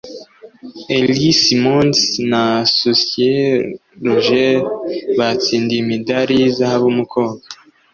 Ellie Simmonds na Susie Rodgers batsindiye imidari y’inzahabu mu kwoga